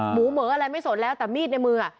หมูเหมืออะไรไม่สนแล้วแต่มีดในมือ